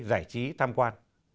giải trí tham quan